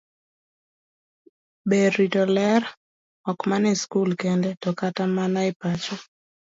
Ber rito ler, ok mana e skul kende, to kata mana e pacho.